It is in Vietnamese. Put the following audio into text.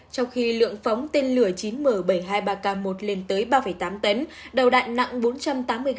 trong khi lượng phóng tên lửa chín m bảy trăm hai mươi ba k một lên tới ba tám tấn đầu đạn nặng bốn trăm tám mươi g